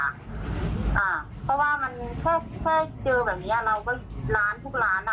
เพราะว่ามันแค่เจอแบบนี้เราก็อยู่ร้านทุกร้าน